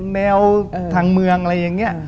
แนวทางเมืองอะไรอย่างนี้